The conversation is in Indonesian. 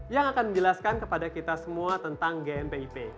yang akan menjelaskan kepada kita semua tentang gmpip